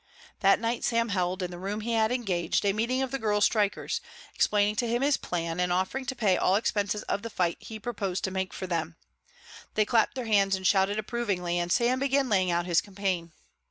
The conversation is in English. That night Sam held, in the room he had engaged, a meeting of the girl strikers, explaining to them his plan and offering to pay all expenses of the fight he proposed to make for them. They clapped their hands and shouted approvingly, and Sam began laying out his campaign.